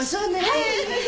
はい。